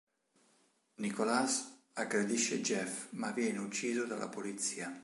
Nicholas aggredisce Jeff, ma viene ucciso dalla polizia.